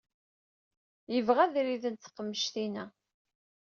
Yebɣa ad rident teqmejtin-a.